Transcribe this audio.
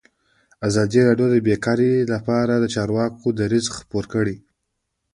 ازادي راډیو د بیکاري لپاره د چارواکو دریځ خپور کړی.